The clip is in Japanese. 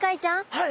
はい。